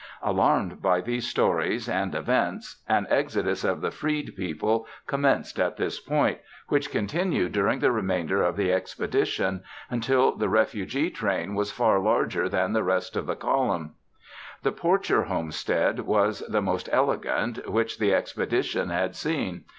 Alarmed by these stories and events, an exodus of the freed people commenced at this point, which continued during the remainder of the expedition, until the refugee train was far larger than the rest of the column. The Porcher homestead was the most elegant which the expedition had seen.